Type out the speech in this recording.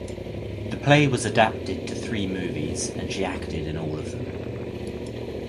The play was adapted to three movies and she acted in all of them.